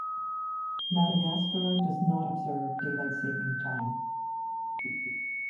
Madagascar does not observe daylight saving time.